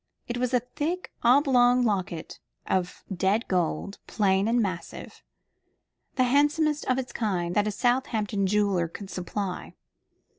It was a thick oblong locket of dead gold, plain and massive; the handsomest of its kind that a Southampton jeweller could supply.